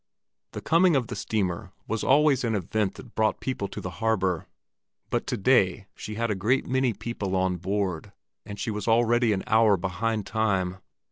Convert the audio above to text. The coming of the steamer was always an event that brought people to the harbor; but to day she had a great many people on board, and she was already an hour behind time.